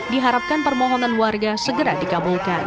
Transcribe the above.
diharapkan permohonan warga segera dikabulkan